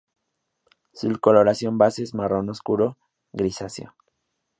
Su coloración base es marrón oscuro-grisáceo.